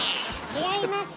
違いますよ